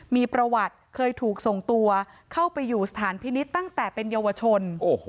มีประวัติเคยถูกส่งตัวเข้าไปอยู่สถานพินิษฐ์ตั้งแต่เป็นเยาวชน